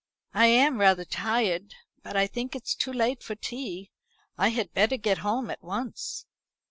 "I am rather tired; but I think it's too late for tea. I had better get home at once."